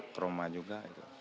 ke rumah juga